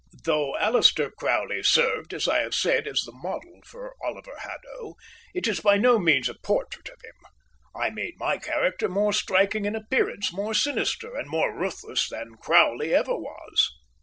Though Aleister Crowley served, as I have said, as the model for Oliver Haddo, it is by no means a portrait of him. I made my character more striking in appearance, more sinister and more ruthless than Crowley ever was.